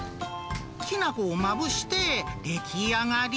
きな粉をまぶして出来上がり。